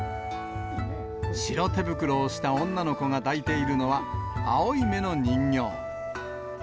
白手袋をした女の子が抱いているのは、青い目の人形。